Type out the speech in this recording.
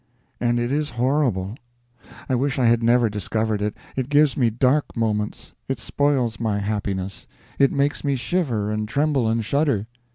And it is horrible! I wish I had never discovered it; it gives me dark moments, it spoils my happiness, it makes me shiver and tremble and shudder.